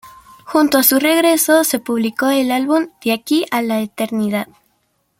Junto a su regreso se publicó el álbum "De Aquí A la Eternidad".